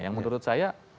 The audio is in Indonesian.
yang menurut saya